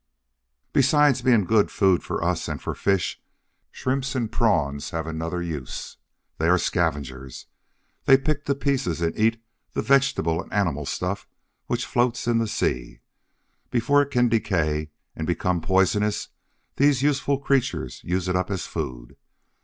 Besides being good food for us, and for the fish, Shrimps and Prawns have another use. They are scavengers. They pick to pieces and eat the vegetable and animal stuff which floats in the sea. Before it can decay and become poisonous, these useful creatures use it up as food.